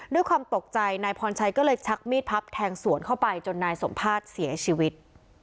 ด้วยความตกใจนายพรชัยก็เลยชักมีดพับแทงสวนเข้าไปจนนายสมภาษณ์เสียชีวิต